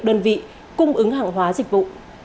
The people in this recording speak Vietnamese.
đơn vị cung ứng hàng hóa dịch vụ